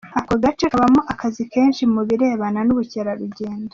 Ako gace kabamo akazi kenshi mu birebana n’ubukerarugendo.